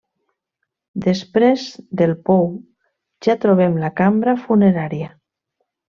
Després del pou, ja trobem la cambra funerària.